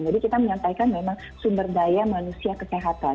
jadi kita menyampaikan memang sumber daya manusia kesehatan